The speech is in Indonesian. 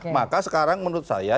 maka sekarang menurut saya